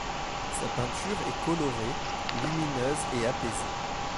Sa peinture est colorée, lumineuse et apaisée.